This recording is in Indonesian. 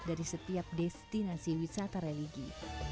dari setiap destinasi wisata religi